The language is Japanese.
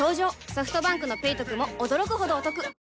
ソフトバンクの「ペイトク」も驚くほどおトク